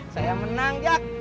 saya yang menang jak